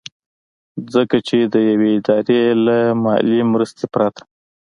ځکه چې د يوې ادارې له مالي مرستې پرته